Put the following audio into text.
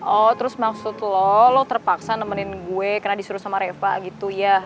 oh terus maksud lo lo terpaksa nemenin gue karena disuruh sama reva gitu ya